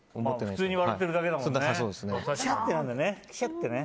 普通に笑ってるだけだもんね。